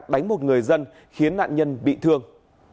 đánh một người dân khiến nạn nhân bị thương